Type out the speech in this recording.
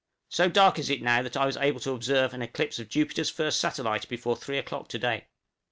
So dark is it now that I was able to observe an eclipse of Jupiter's first satellite before three o'clock to day.